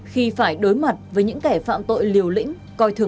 khi phải đối mặt với những kẻ phạm tội liều lĩnh